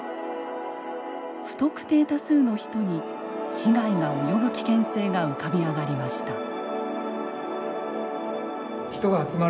不特定多数の人に被害が及ぶ危険性が浮かび上がりました。